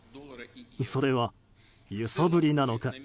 それは揺さぶりなのか。